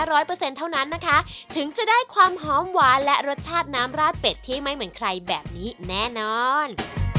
ร้อยเปอร์เซ็นต์เท่านั้นนะคะถึงจะได้ความหอมหวานและรสชาติน้ำราดเป็ดที่ไม่เหมือนใครแบบนี้แน่นอน